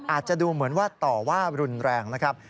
อาจจะดูเหมือนว่าต่อว่ารุนแรงนะครับ